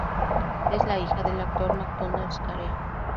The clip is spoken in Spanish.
Es la hija del actor Macdonald Carey.